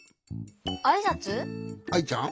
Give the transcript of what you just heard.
アイちゃん